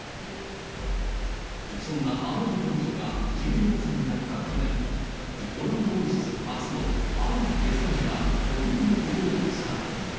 そんなアマリア王女が１７歳になった去年、オランダ王室初のある決断が国民の心をつかんだ。